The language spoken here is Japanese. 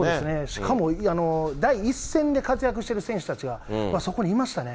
しかも第一線で活躍してる選手たちが、そこにいましたね。